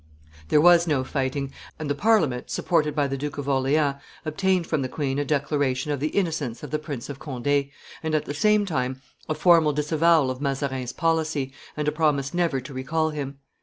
There was no fighting, and the Parliament, supported by the Duke of Orleans, obtained from the queen a declaration of the innocence of the Prince of Conde, and at the same time a formal disavowal of Mazarin's policy, and a promise never to recall him.